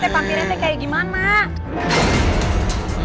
pak rt vampirnya kayak gimana